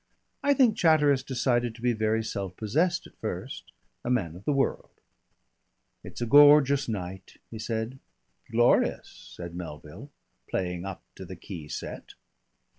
I think Chatteris decided to be very self possessed at first a man of the world. "It's a gorgeous night," he said. "Glorious," said Melville, playing up to the key set.